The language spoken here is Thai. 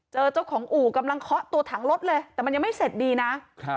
เจอเจ้าของอู่กำลังเคาะตัวถังรถเลยแต่มันยังไม่เสร็จดีนะครับ